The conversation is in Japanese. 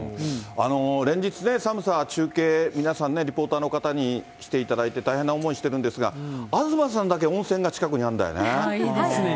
連日ね、寒さ、中継、皆さん、リポーターの方にしていただいて、大変な思いしてるんですが、東さんだけ温泉が近くにあるんだよね。